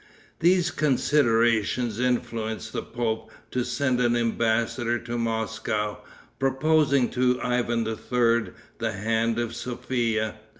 These considerations influenced the pope to send an embassador to Moscow, proposing to Ivan III. the hand of Sophia.